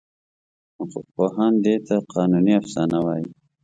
حقوقپوهان دې ته قانوني افسانه وایي.